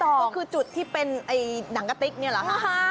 ก็คือจุดที่เป็นหนังกะติ๊กนี่แหละค่ะ